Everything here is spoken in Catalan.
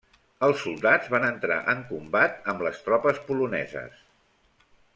Els soldats van entrar en combat amb les tropes poloneses.